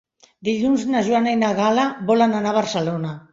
Dilluns na Joana i na Gal·la volen anar a Barcelona.